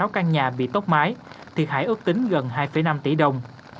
một trăm năm mươi sáu căn nhà bị tốc mái thiệt hại ước tính gần hai năm tỷ đồng